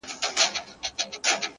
• نه خوړلي نه لیدلي پوروړي,